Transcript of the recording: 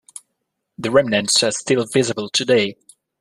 The remnants are still visible today.